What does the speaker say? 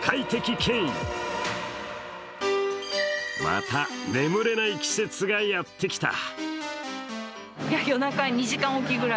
また眠れない季節がやってきた。